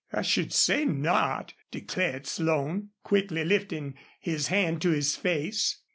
"I should say not," declared Slone, quickly lifting his hand to his face.